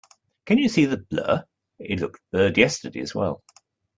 Can you see the blur? It looked blurred yesterday, as well.